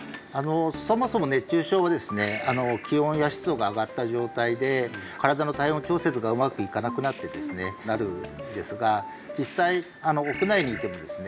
そもそも熱中症はですね気温や湿度が上がった状態で身体の体温調節がうまくいかなくなってですねなるんですが実際屋内にいてもですね